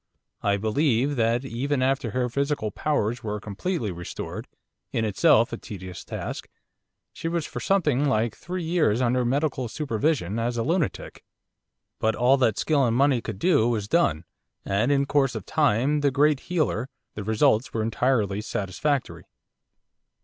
I believe that, even after her physical powers were completely restored in itself a tedious task she was for something like three years under medical supervision as a lunatic. But all that skill and money could do was done, and in course of time the great healer the results were entirely satisfactory.